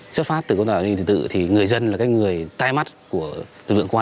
xuất phát từ công tác an ninh trật tự thì người dân là cái người tay mắt của lực lượng công an